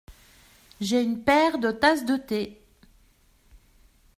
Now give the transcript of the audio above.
J’ai une paire de tasses de thé.